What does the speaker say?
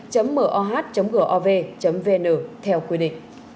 cảm ơn các bạn đã theo dõi và hẹn gặp lại